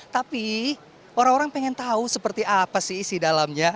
tapi orang orang pengen tahu seperti apa sih isi dalamnya